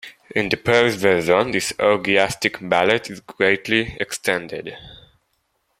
In the "Paris" version this orgiastic ballet is greatly extended.